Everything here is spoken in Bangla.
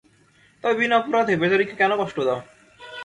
তবে বিনা অপরাধে বেচারিকে কেন কষ্ট দাও।